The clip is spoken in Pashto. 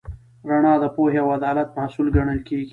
رڼا د پوهې او عدالت محصول ګڼل کېږي.